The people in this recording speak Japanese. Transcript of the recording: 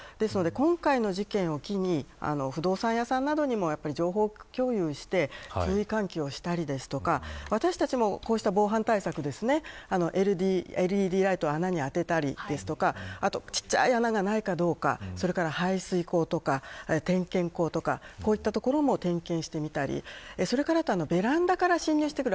今回の事件を機に不動産屋さんなどにも情報共有して注意喚起をしたりですとか私たちも、こうした防犯対策ＬＥＤライトを穴に当てたりとか小さい穴がないかどうかそれから排水溝とか、点検口とかこういった所も点検してみたりそれから、ベランダから侵入してくる。